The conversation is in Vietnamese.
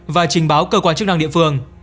và trình báo cơ quan chức năng địa phương